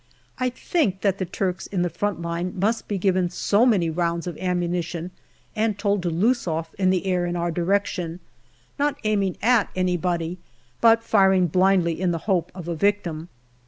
I think that the Turks in the front line must be given so many rounds of ammunition and told to loose off in the air in our direction, not aiming at anybody, but firing blindly in the hope of a victim.